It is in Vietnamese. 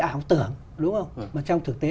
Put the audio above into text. ảo tưởng đúng không mà trong thực tế